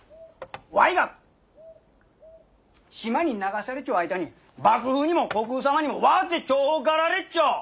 わいが島に流されちょ間に幕府にも国父様にもわっぜ重宝がられちょ。